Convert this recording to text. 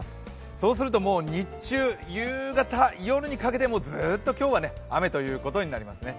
そうすると日中、夕方夜にかけてずっと今日は雨ということになりますね。